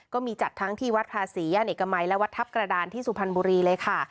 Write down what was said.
ก็มีจัดทั้งที่วัดภาษีย่านเอกมัยและวัดทัพกระดานที่สุพรรณบุรีเลยค่ะ